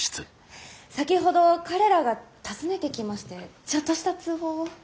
先ほど彼らが訪ねてきましてちょっとした通報を。